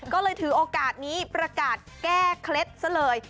ก็เลยถือโอกาสนี้ประกาศแก้เคล็ดซะเลย